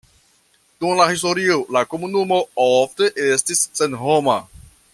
Dum la historio la komunumo ofte estis senhoma.